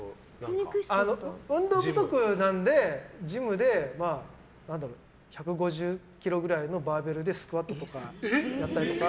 運動不足なのでジムで１５０ｋｇくらいのバーベルでスクワットやったりとか。